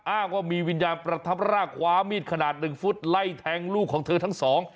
อ้างว่ามีวิญญาณประทับรากคว้ามีดขนาดหนึ่งฟุตไล่แทงลูกของเธอทั้งสอง